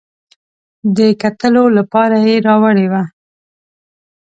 د کتلو لپاره یې راوړې وه.